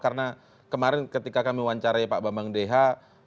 karena kemarin ketika kami wawancarai pak bambang deha